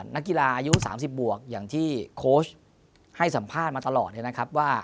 นักกีฬาอายุ๓๐บวกอย่างที่โค้ชให้สัมภาษณ์มาตลอดเนี่ยนะครับว่า